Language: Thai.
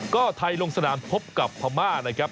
ก็ไทยลงสนามพบกับพม่านะครับ